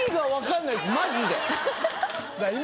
マジで。